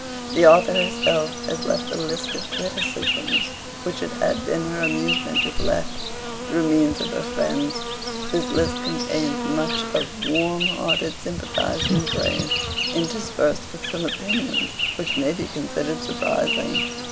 The author herself has left a list of criticisms which it had been her amusement to collect, through means of her friends. This list contains much of warm hearted sympathising praise, interspersed with some opinions which may be considered surprising.